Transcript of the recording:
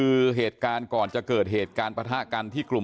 โคศกรรชาวันนี้ได้นำคลิปบอกว่าเป็นคลิปที่ทางตำรวจเอามาแถลงวันนี้นะครับ